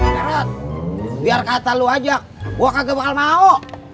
garot biar kata lu ajak gua kagak bakal mau